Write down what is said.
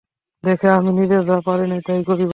দেখি আমি নিজে যা পারি তাই করিব।